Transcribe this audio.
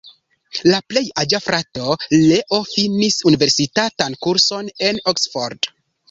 La plej aĝa frato, Leo, finis universitatan kurson en Oksfordo.